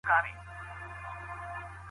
د لاسکي تعريف شعاري بڼه لري.